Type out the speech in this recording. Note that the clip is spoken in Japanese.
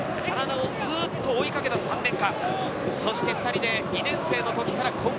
真田をずっと追い掛けた３年間。